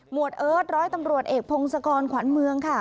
วดเอิร์ทร้อยตำรวจเอกพงศกรขวัญเมืองค่ะ